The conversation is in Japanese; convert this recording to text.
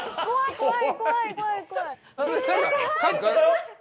怖い！